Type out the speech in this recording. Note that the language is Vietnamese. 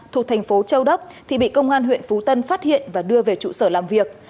thuộc thành phố châu đốc thì bị công an huyện phú tân phát hiện và đưa về trụ sở làm việc